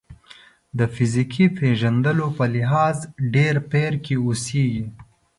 د فیزیکي پېژندلو په لحاظ ډبرپېر کې اوسېږي.